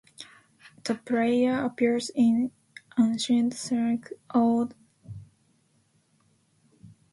The prayer appears in ancient Syriac, Old Slavonic, Ethiopic, and Armenian translations.